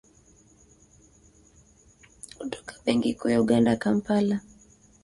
kutoka Benki Kuu ya Uganda, Kampala inasafirisha kwenda jamuhuri ya kidemokrasia ya Kongo